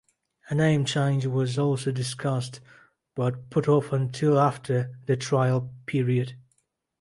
A name change was also discussed, but put off until after the trial period.